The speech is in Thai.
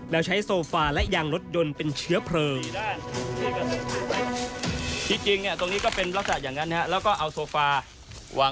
แล้วใช้โซฟาและยางรถยนต์เป็นเชื้อเพลิง